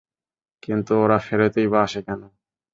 কিন্তু ওরা ফেরতই বা আসে কেন?